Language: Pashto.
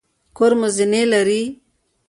کور مو زینې لري؟